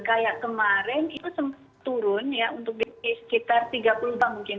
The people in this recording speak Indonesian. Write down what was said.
kayak kemarin itu turun ya untuk di sekitar tiga puluh tahun mungkin